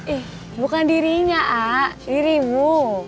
eh bukan dirinya ah dirimu